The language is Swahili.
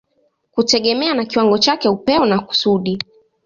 kutegemea na kiwango chake, upeo na kusudi.